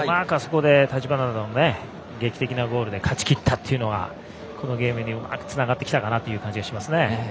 橘田の劇的なゴールで勝ちきったというのはこのゲームにうまくつながってきた感じがします。